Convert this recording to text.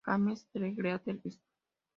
James the Greater"; "St.